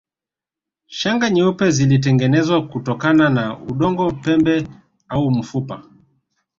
Shanga nyeupe zilitengenezwa kutokana na udongo pembe au mfupa